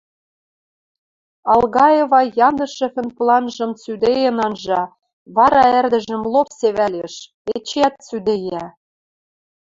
Алгаева Яндышевӹн планжым цӱдеен анжа, вара ӓрдӹжӹм лоп севӓлеш, эчеӓт цӱдейӓ: